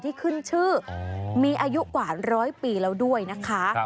ที่ขึ้นชื่อมีอายุกว่าร้อยปีแล้วด้วยนะคะ